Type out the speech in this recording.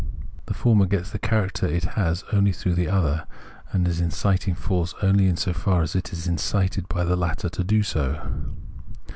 The former gets the character it has only through the other, and is an inciting force only so far as it is incited by the latter to be so.